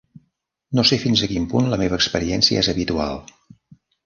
No sé fins a quin punt la meva experiència és habitual.